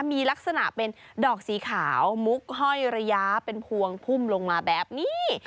มีลักษณะเป็นดอกสีขาวมุกห้อยระยะเป็นพวงพุ่มลงมาแบบนี้